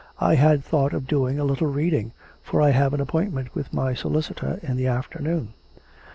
I had thought of doing a little reading, for I have an appointment with my solicitor in the afternoon.'